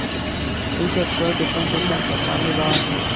Each has quite different systems of family law and courts.